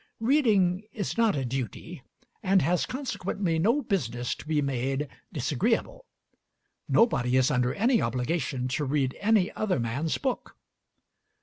Reading is not a duty, and has consequently no business to be made disagreeable. Nobody is under any obligation to read any other man's book.